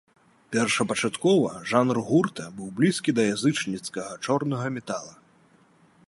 Першапачаткова жанр гурта быў блізкі да язычніцкага чорнага метала.